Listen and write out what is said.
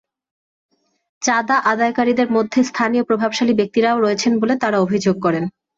চাঁদা আদায়কারীদের মধ্যে স্থানীয় প্রভাবশালী ব্যক্তিরাও রয়েছেন বলে তাঁরা অভিযোগ করেন।